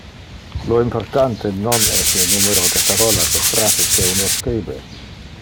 Le importante non es le numero de parolas o phrases que uno scribe.